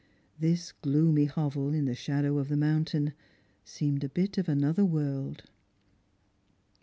This gloomy hovel in the shadow of the moun tain seemed a bit of another world.